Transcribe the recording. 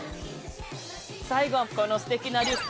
最後はこのすてきなリュック！